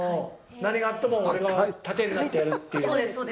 何があっても俺が盾になってやるっていう。